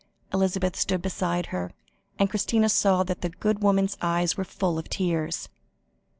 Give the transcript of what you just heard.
Elizabeth stood beside her, and Christina saw that the good woman's eyes were full of tears.